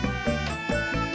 aku mau berbual